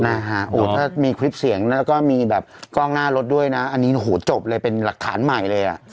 นะฮะโอ้ถ้ามีคลิปเสียงแล้วก็มีแบบกล้องหน้ารถด้วยนะอันนี้โอ้โหจบเลยเป็นหลักฐานใหม่เลยอ่ะ